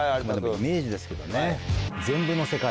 イメージですけどね。